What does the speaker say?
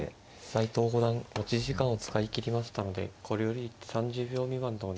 斎藤五段持ち時間を使いきりましたのでこれより一手３０秒未満でお願いします。